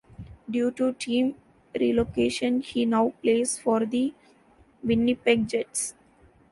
Due to team relocation he now plays for the Winnipeg Jets.